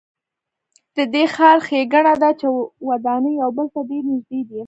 د دې ښار ښېګڼه ده چې ودانۍ یو بل ته ډېرې نږدې دي.